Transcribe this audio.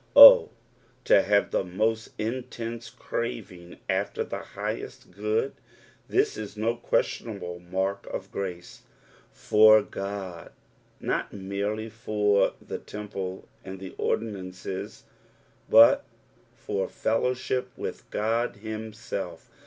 O to have the most intense craving after the highest good I this is no questionable mark of grace. " Far Qod.'" Not merely for the temple and the ordinances, but for fellowship with God himaelf.